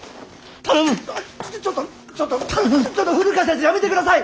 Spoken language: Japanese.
ちょっと古川先生やめて下さい！